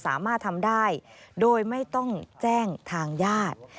สามารถทำได้โดยไม่ต้องแจ้งทางญาติ